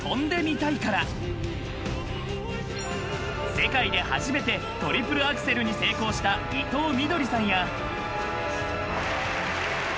［世界で初めてトリプルアクセルに成功した伊藤みどりさんや］